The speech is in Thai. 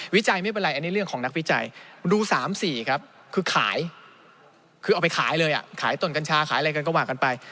วิจัยไม่เป็นไรอันนี้เรื่องของนักวิจัยดู๓๔ครับคือขายคือเอาไปขายเลยขายตนกัญชาขายอะไรกันก็ว่ากันไป